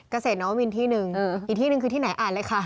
เกษตรนวมินที่หนึ่งอีกที่หนึ่งคือที่ไหนอ่านเลยค่ะ